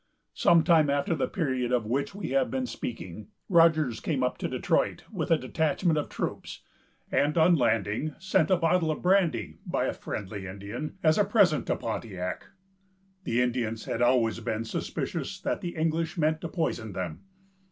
Some time after the period of which we have been speaking, Rogers came up to Detroit, with a detachment of troops, and, on landing, sent a bottle of brandy, by a friendly Indian, as a present to Pontiac. The Indians had always been suspicious that the English meant to poison them.